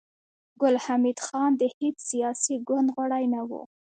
ګل حمید خان د هېڅ سياسي ګوند غړی نه و